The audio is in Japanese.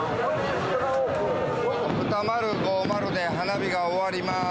２０５０で花火が終わります。